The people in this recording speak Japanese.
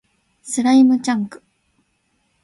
スライムチャンク